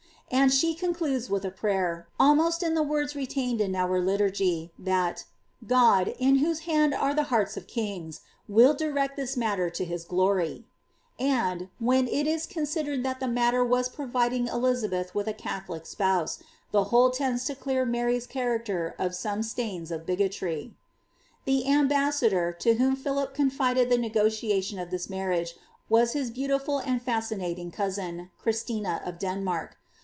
And she con cludes with a prayer, almost in the words retained in our liturgy, that ^^ God, in whose hand are the hearts of kings, will direct this matter to his glory /^ And, when it is considered that the matter was profiding Elizabeth with a Catholic spouse, the whole tends to clear Maiy^s cha racter of soiiie stains of bigotry. The ambassiiior, to whom Philip confided the negotiation of this marriage, was his beautiful and fascinating cousin, Christina of Den mark.'